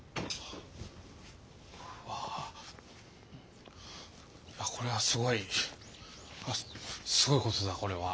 うわあこれはすごい。あっすごいことだこれは。